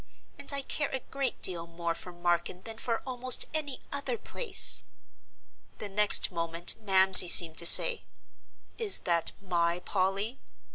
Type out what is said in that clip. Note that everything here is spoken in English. And I care a great deal more for Marken than for almost any other place." The next moment Mamsie seemed to say, "Is that my Polly?"